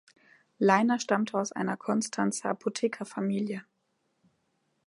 Leiner stammte aus einer Konstanzer Apothekerfamilie.